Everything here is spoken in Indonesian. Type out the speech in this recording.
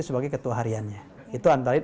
sebagai ketua hariannya itu antara